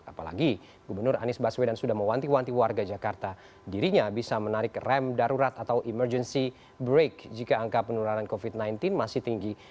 apalagi gubernur anies baswedan sudah mewanti wanti warga jakarta dirinya bisa menarik rem darurat atau emergency break jika angka penularan covid sembilan belas masih tinggi